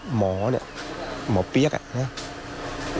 หมอเนี่ยหมอเปี๊ยกเนี่ย